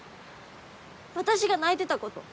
私が泣いてたこと。